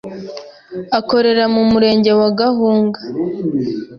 akorera mu murenge wa gahunga